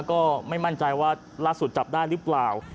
ก็ไม่มั่นใจว่าล่าสุดจับได้หรือเปล่า